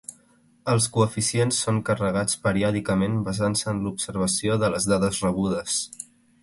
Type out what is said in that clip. Els coeficients són carregats periòdicament basant-se en l'observació de les dades rebudes.